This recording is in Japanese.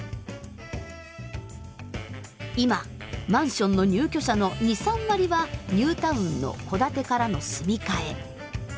今マンションの入居者の２３割はニュータウンの戸建てからの住み替え。